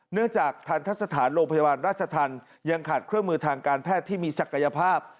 จากทันทะสถานโรงพยาบาลราชธรรมยังขาดเครื่องมือทางการแพทย์ที่มีศักยภาพ